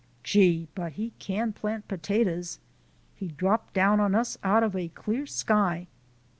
"Gee! but he can plant potatoes. He dropped down on us out of a clear sky."